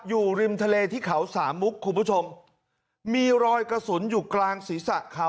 อยู่ริมทะเลที่เขาสามมุกคุณผู้ชมมีรอยกระสุนอยู่กลางศีรษะเขา